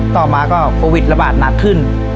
ต่อมาก็โควิดระบาดหนักขึ้น